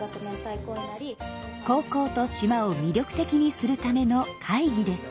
高校と島を魅力的にするための会議です。